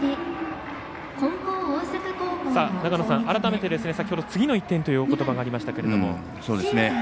改めて、先ほど次の１点ということばがありましたけども。